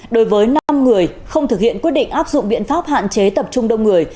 đối với năm người không thực hiện quyết định áp dụng biện pháp hạn chế tập trung đông người